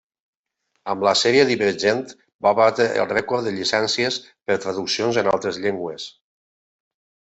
Amb la sèrie divergent va batre el rècord de llicències per traduccions en altres llengües.